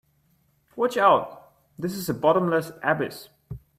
Watch out, this is a bottomless abyss!